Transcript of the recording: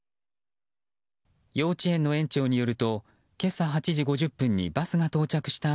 幼稚園の園長によると今朝８時５０分にバスが到着した